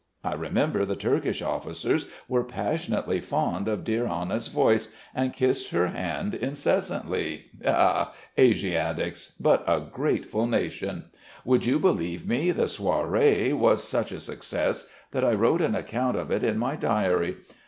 I remember the Turkish officers were passionately fond of dear Anna's voice, and kissed her hand incessantly. He he! Asiatics, but a grateful nation. Would you believe me, the soiree was such a success that I wrote an account of it in my diary?